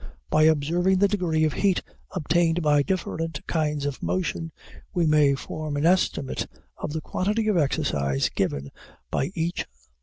By observing the degree of heat obtained by different kinds of motion, we may form an estimate of the quantity of exercise given by each.